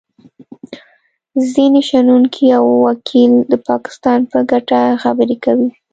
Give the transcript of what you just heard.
ځینې شنونکي او وکیل د پاکستان په ګټه خبرې کوي